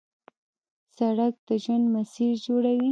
سړک د ژوند مسیر جوړوي.